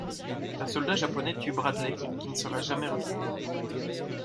Un soldat japonais tue Bradley qui ne sera jamais retrouvé.